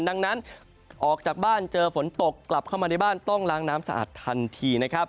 ดังนั้นออกจากบ้านเจอฝนตกกลับเข้ามาในบ้านต้องล้างน้ำสะอาดทันทีนะครับ